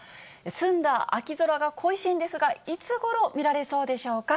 澄んだ秋空が恋しいんですが、いつごろ見られそうでしょうか。